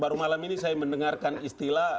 baru malam ini saya mendengarkan istilah